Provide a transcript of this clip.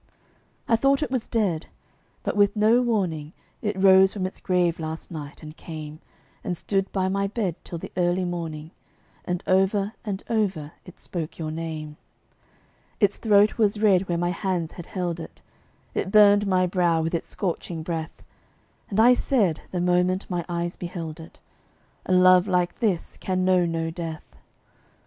I thought it was dead. But with no warning, It rose from its grave last night, and came And stood by my bed till the early morning, And over and over it spoke your name. Its throat was red where my hands had held it; It burned my brow with its scorching breath; And I said, the moment my eyes beheld it, "A love like this can know no death."